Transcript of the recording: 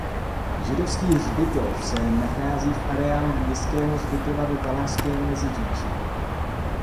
Židovský hřbitov se nachází v areálu městského hřbitova ve Valašském Meziříčí.